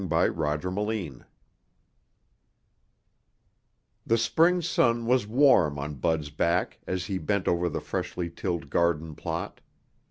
chapter 10 The spring sun was warm on Bud's back as he bent over the freshly tilled garden plot.